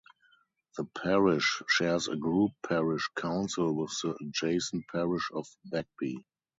The parish shares a grouped parish council with the adjacent parish of Bagby.